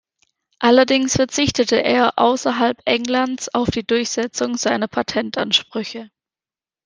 Allerdings verzichtete er außerhalb Englands auf die Durchsetzung seiner Patentansprüche.